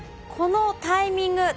このタイミング